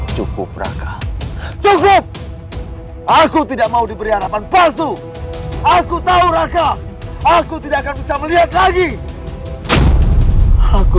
cukup raka cukup aku tidak mau diberi harapan palsu aku tahu raka aku tidak akan bisa melihat lagi aku